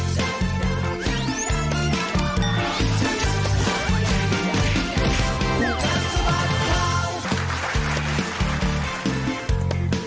สวัสดีค่ะ